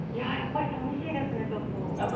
やっぱりさみしいですねちょっと。